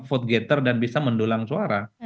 vote getter dan bisa mendulang suara